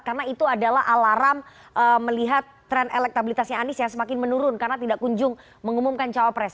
karena itu adalah alarm melihat tren elektabilitasnya anies yang semakin menurun karena tidak kunjung mengumumkan cawapres